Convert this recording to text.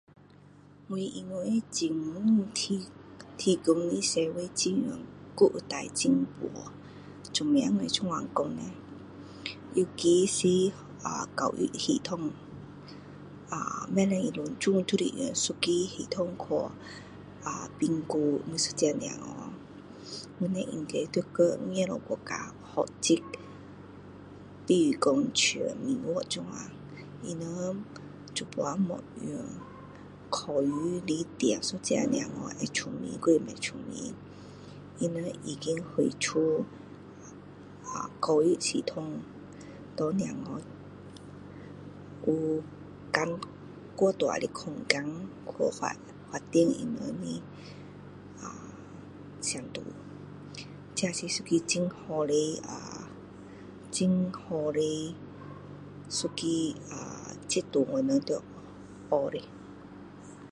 我以为政府提提供的社会还有带进步做么我这样讲叻尤其是啊教育系统啊不可以全部用一个系统去啊评估每一个孩子他们应该要叫外面国家学习比如说像英国这样他们现在没用考试来定一个小孩会聪明还是不聪明他们已经回出教育系统给孩子有间过大的空间去发展他们的呃程度这是一个很好的呃很好的一个呃制度我们要学的